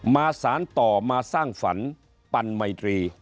มาสานต่อมาสร้างฝันปั่นมัยตรี